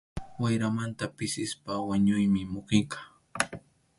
Wayramanta pisispa wañuymi mukiyqa.